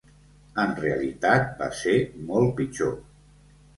En realitat va ser molt pitjor.